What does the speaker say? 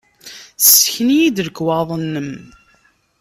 Ssken-iyi-d lekwaɣeḍ-nnem!